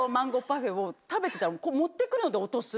食べてたら持ってくるので落とす